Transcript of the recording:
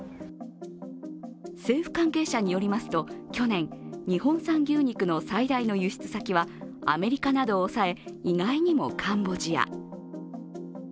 政府関係者によりますと、去年、日本産牛肉の最大の輸出先はアメリカなどを抑え、意外にもカンボジア。